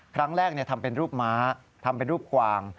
ครั้งแรกทำเป็นรูปม้าทำเป็นรูปกวาง